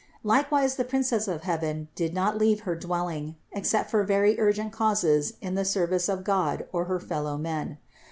Likewise the Princess of heaven did not leave her dwelling, except for very urgent causes in the service of God or her fellow men.